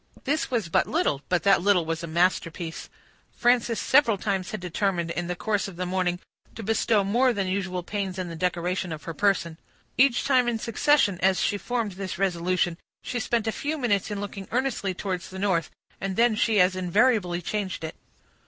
This was but little, but that little was a masterpiece. Frances several times had determined, in the course of the morning, to bestow more than usual pains in the decoration of her person. Each time in succession, as she formed this resolution, she spent a few minutes in looking earnestly towards the north, and then she as invariably changed it.